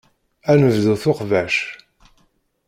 Ad nebdu s uxbac.